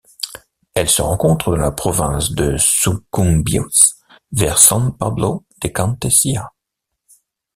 Elle se rencontre dans la province de Sucumbíos vers San Pablo de Kantesiya.